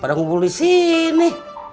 pada ngumpul disini